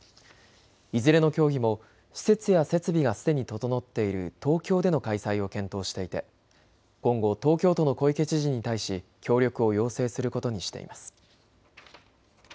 いずれの競技も施設や設備がすでに整っている東京での開催を検討していて今後、東京都の小池知事に対し協力を要請することにしています。